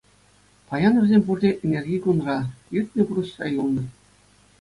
Паян вӗсем пурте ӗнерхи кунра, иртнӗ пурнӑҫра юлнӑ.